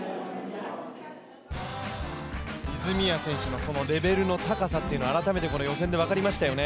泉谷選手のレベルの高さというのが改めてこの予選で分かりましたよね。